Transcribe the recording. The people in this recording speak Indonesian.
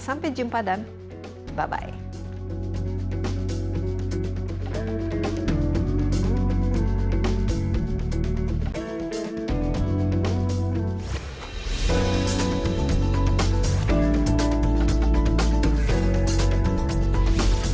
sampai jumpa dan bye bye